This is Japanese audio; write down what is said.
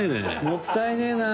もったいねえな。